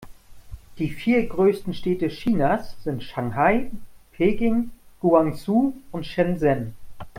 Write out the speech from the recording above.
Die vier größten Städte Chinas sind Shanghai, Peking, Guangzhou und Shenzhen.